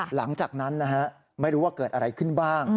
หลังจากนั้นนะฮะไม่รู้ว่าเกิดอะไรขึ้นบ้าง